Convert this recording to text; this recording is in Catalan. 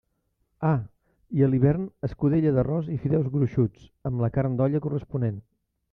Ah!, i a l'hivern escudella d'arròs i fideus gruixuts, amb la carn d'olla corresponent.